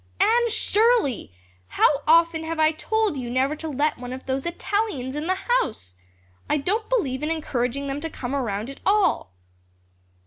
"Anne Shirley, how often have I told you never to let one of those Italians in the house! I don't believe in encouraging them to come around at all."